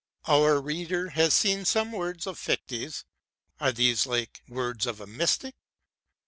Our reader has seen some words of Fichte's : are these like words of a mystic